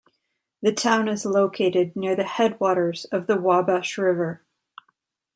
The town is located near the headwaters of the Wabash River.